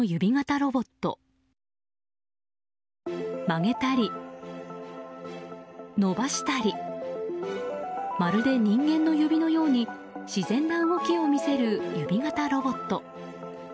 曲げたり、伸ばしたりまるで人間の指のように自然な動きを見せる指型のロボット。